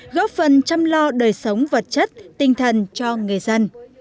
góp phần chăm lo đời sống vật chất tinh thần cho người dân